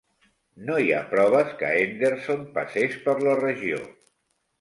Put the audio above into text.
No hi ha proves que Henderson passés per la regió.